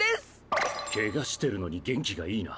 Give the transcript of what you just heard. ケガしてるのに元気がいいな。